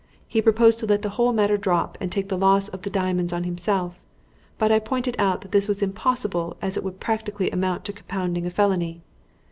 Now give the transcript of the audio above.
He proposed to let the whole matter drop and take the loss of the diamonds on himself; but I pointed out that this was impossible as it would practically amount to compounding a felony.